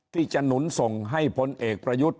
ที่จะหนุนส่งให้พลเอกประยุทธ์